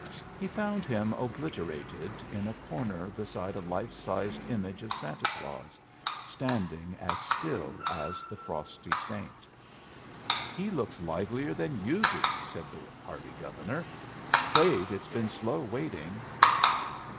He found him obliterated in a corner beside a life sized image of Santa Claus, standing as still as the frosty saint. "He looks livelier than you do," said the hearty Governor. "'Fraid it's been slow waiting."